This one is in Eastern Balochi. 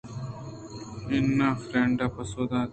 اِناںفریڈا ءَپسو دات